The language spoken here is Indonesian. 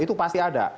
itu pasti ada